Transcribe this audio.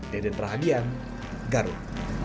deden perhatian garut